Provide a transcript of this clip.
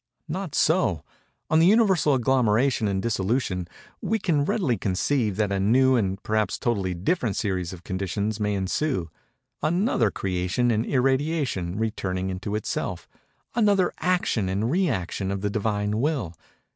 Not so. On the Universal agglomeration and dissolution, we can readily conceive that a new and perhaps totally different series of conditions may ensue—another creation and irradiation, returning into itself—another action and rëaction of the Divine Will.